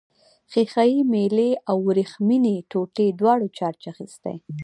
ښيښه یي میلې او وریښمينې ټوټې دواړو چارج اخیستی.